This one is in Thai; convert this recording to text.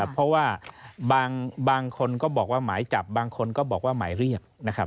เพราะว่าบางคนก็บอกว่าหมายจับบางคนก็บอกว่าหมายเรียกนะครับ